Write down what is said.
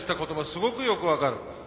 すごくよく分かる。